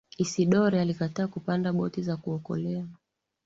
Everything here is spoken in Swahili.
isidore alikataa kupanda boti za kuokolea